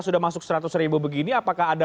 sudah masuk seratus ribu begini apakah ada